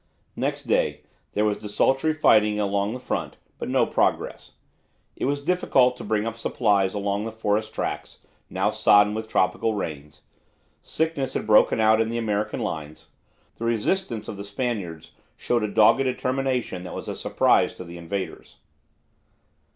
Next day there was desultory fighting along the front, but no progress. It was difficult to bring up supplies along the forest tracks, now sodden with tropical rains. Sickness had broken out in the American lines. The resistance of the Spaniards showed a dogged determination that was a surprise to the invaders.